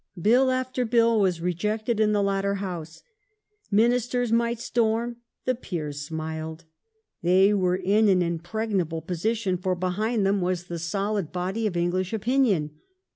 Bill after Bill was rejected in the latter House. Ministers might storm ; the Peers smiled. They were in an impregnable position, for behind them was the solid body of English opinion.